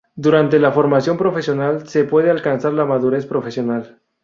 Durante la formación profesional se puede alcanzar la madurez profesional.